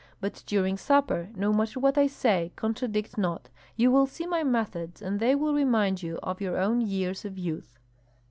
But during supper, no matter what I say, contradict not. You will see my methods, and they will remind you of your own years of youth."